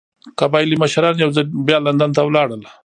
قبایلي مشران یو ځل بیا لندن ته لاړل.